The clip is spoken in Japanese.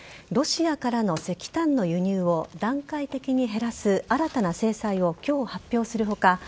ロシアからの石炭の輸入を段階的に減らす新たな制裁を今日、発表する他